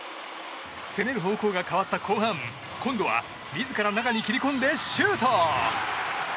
攻める方向が変わった後半今度は自ら中に切り込んでシュート！